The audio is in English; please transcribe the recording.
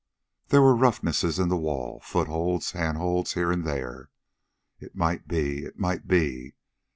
There were roughnesses in the wall, footholds, handholds here and there. "It might be ... it might be...."